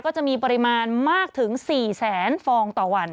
จะมีปริมาณมากถึง๔แสนฟองต่อวัน